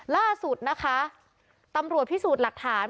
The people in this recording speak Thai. ล่าสุดนะคะตำรวจพิสูจน์หลักฐาน